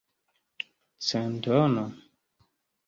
Centono?